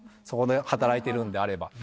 そこで働いてるんであれば。